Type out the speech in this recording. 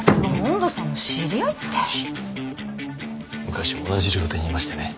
昔同じ料亭にいましてね。